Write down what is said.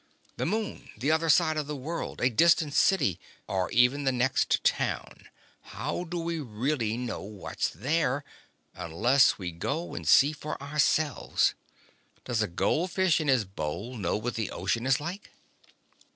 The moon, the other side of the world, a distant city ... or even the next town. How do we really know what's there ... unless we go and see for ourselves? Does a goldfish in his bowl know what the ocean is like?"